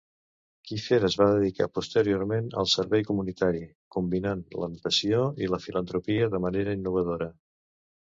Kiefer es va dedicar posteriorment al servei comunitari, combinant la natació i la filantropia de manera innovadora.